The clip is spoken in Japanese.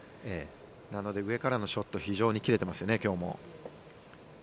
なので上からのショット非常に切れていますね、今日も。